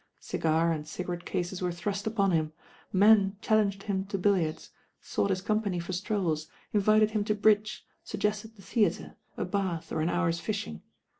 Cigar and cigarette<ases were thrust upon him, men challenged him to billiards, sought his company for stroUs, invited him to bridge, suggested the theatre, a bathe or an hour's fishing.